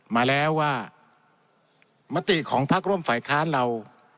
มาแล้วว่ามติของพักร่วมฝ่ายค้านเรา